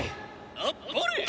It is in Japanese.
あっぱれ！